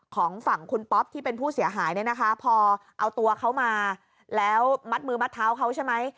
ของฝั่งคุณป๊อปที่เป็นผู้เสียหายเนี่ยนะคะพอเอาตัวเขามาแล้วมัดมือมัดเท้าเขาใช่ไหม